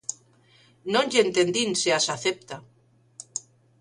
Non lle entendín se as acepta.